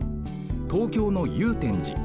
東京の祐天寺。